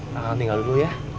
tanggal tinggal dulu ya